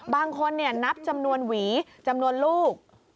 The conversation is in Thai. บางคนนับจำนวนหวีจำนวนลูก